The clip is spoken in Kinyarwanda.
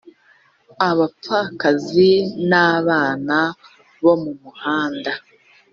abapfakazi n abana bo mu muhanda